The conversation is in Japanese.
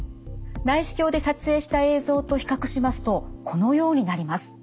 内視鏡で撮影した映像と比較しますとこのようになります。